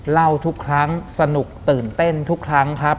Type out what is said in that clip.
ทุกครั้งสนุกตื่นเต้นทุกครั้งครับ